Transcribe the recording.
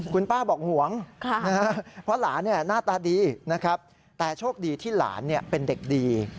คุณป้าบอกห่วงเพราะหลานหน้าตาดีนะครับแต่โชคดีที่หลานเป็นเด็กดี